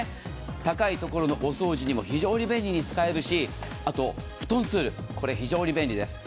高い所の掃除にも非常に便利に使えるし、あとフトンツール、これ非常に便利です。